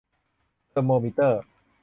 เทอร์โมมิเตอร์